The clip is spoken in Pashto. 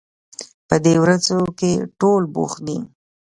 په دې ورځو کې ټول بوخت دي